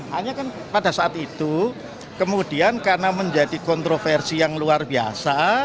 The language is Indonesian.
hanya kan pada saat itu kemudian karena menjadi kontroversi yang luar biasa